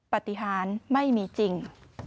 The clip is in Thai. ปฏิหารไม่มีจริง